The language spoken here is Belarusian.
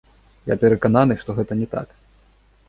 Я перакананы, што гэта не так.